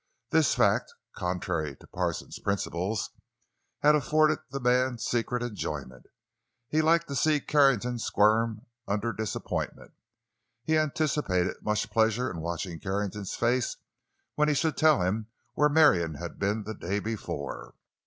This fact, contrary to Parsons' principles, had afforded the man secret enjoyment. He liked to see Carrington squirm under disappointment. He anticipated much pleasure in watching Carrington's face when he should tell him where Marion had been the day before.